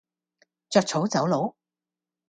著草走佬